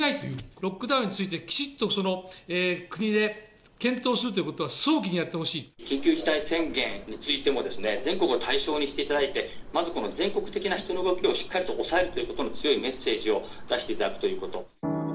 ロックダウンについてきちっと国で検討するということは早期にや緊急事態宣言についても、全国を対象にしていただいて、まずこの全国的な人の動きをしっかりと抑えるということの強いメッセージを出していただくということ。